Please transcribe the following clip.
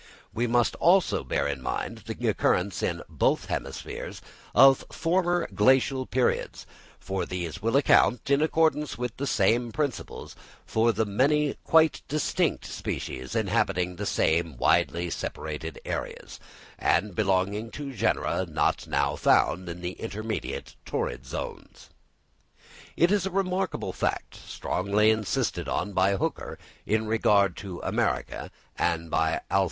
We must, also, bear in mind the occurrence in both hemispheres of former Glacial periods; for these will account, in accordance with the same principles, for the many quite distinct species inhabiting the same widely separated areas, and belonging to genera not now found in the intermediate torrid zones. It is a remarkable fact, strongly insisted on by Hooker in regard to America, and by Alph.